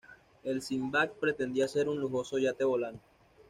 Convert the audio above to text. El "Sinbad" pretendía ser un lujoso yate volante.